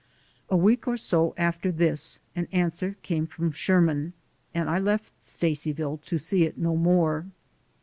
A week or so after this an answer came from Sherman and I left Stacyville to see it no more.